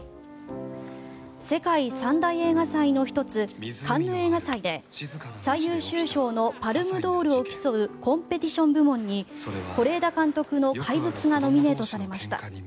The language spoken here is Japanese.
世界三大映画祭の１つカンヌ映画祭で最優秀賞のパルムドールを競うコンペティション部門に是枝監督の「怪物」がノミネートされました。